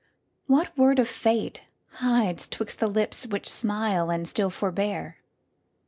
What word of fateHides 'twixt the lips which smile and still forbear?